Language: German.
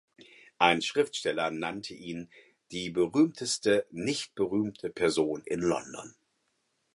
Ein Schriftsteller nannte ihn "die berühmteste nicht berühmte Person in London".